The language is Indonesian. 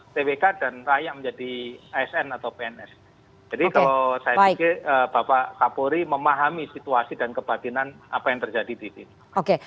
jadi saya pikir bapak kapolri memahami situasi dan kebatinan apa yang terjadi di sini